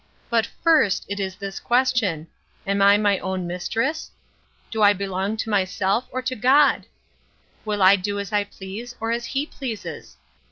But first it is this question: Am I my own mistress? do I belong to myself or to God? will I do as I please or as he pleases?